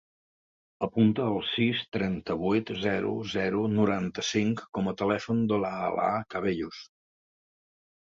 Apunta el sis, trenta-vuit, zero, zero, noranta-cinc com a telèfon de l'Alaa Cabellos.